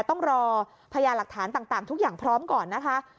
ต้องรอพญาหลักฐานต่างทุกอย่างพร้อมก่อนนะคะ